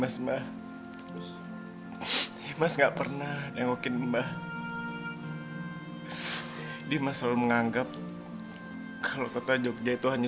sampai jumpa di video selanjutnya